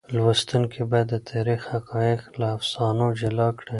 لوستونکي باید د تاریخ حقایق له افسانو جلا کړي.